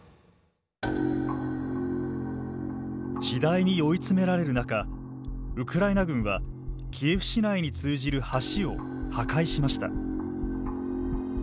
次第に追い詰められる中ウクライナ軍はキエフ市内に通じる橋を破壊しました。